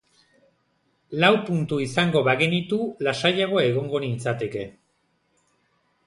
Lau puntu izango bagenitu, lasaiago egongo nintzateke.